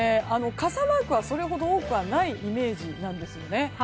傘マークはそれほど多くはないイメージなんですよね。